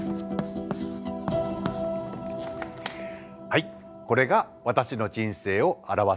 はいこれが私の人生を表す式です。